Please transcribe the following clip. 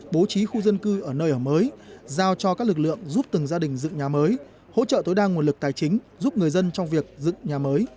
bố trí khu dân cư ở nơi ở mới giao cho các lực lượng giúp từng gia đình dựng nhà mới hỗ trợ tối đa nguồn lực tài chính giúp người dân trong việc dựng nhà mới